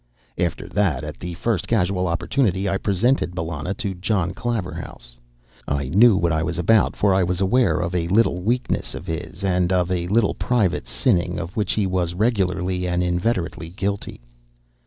After that, at the first casual opportunity, I presented Bellona to John Claverhouse. I knew what I was about, for I was aware of a little weakness of his, and of a little private sinning of which he was regularly and inveterately guilty.